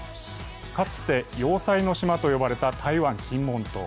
かつて要塞の島と呼ばれた台湾・金門島。